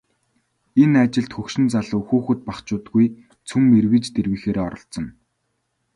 Энэ ажилд хөгшин залуу, хүүхэд багачуудгүй цөм эрвийх дэрвийхээрээ оролцоно.